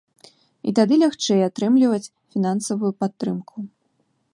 І тады лягчэй атрымліваць фінансавую падтрымку.